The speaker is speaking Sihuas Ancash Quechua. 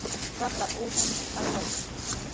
Raqrapa uusha michiq aywaykaayan.